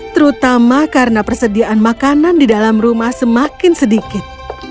terutama karena persediaan makanan di dalam rumah semakin sedikit